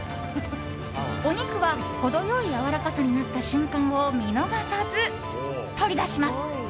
お肉は程良いやわらかさになった瞬間を見逃さず、取り出します。